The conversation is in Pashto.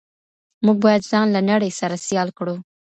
موږ باید ځان له نړۍ سره سیال کړو.